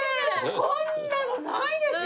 こんなのないですよ！